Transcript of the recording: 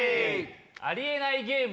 ありえないゲーム。